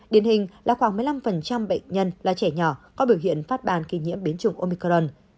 điển hình là khoảng một mươi năm bệnh nhân là trẻ nhỏ có biểu hiện phát bàn kỳ nhiễm biến chủng omicron